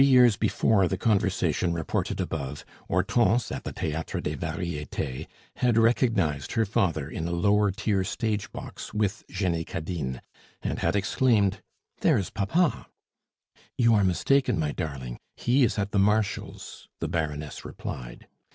Three years before the conversation reported above, Hortense, at the Theatre des Varietes, had recognized her father in a lower tier stage box with Jenny Cadine, and had exclaimed: "There is papa!" "You are mistaken, my darling; he is at the Marshal's," the Baroness replied.